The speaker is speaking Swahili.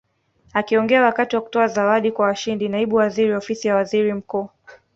Akiongea wakati wa kutoa zawadi kwa washindi Naibu Waziri Ofisi ya Waziri Mkuu